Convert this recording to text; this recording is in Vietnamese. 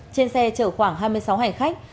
trên xe chở khoảng hai mươi sáu hành khách